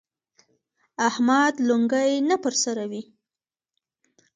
احمد لونګۍ نه پر سروي.